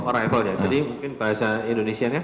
so mungkin bahasa indonesia ya